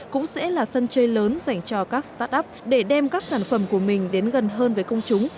cũng sẽ là sân chơi lớn dành cho các start up để đem các sản phẩm của mình đến gần hơn với công chúng